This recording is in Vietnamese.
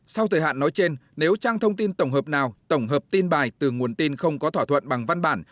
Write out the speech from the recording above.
sau thời hạn nói trên nếu trang thông tin tổng hợp nào tổng hợp tin bài từ nguồn tin không có thỏa thuận bằng văn bản